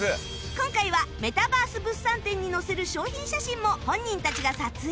今回はメタバース物産展に載せる商品写真も本人たちが撮影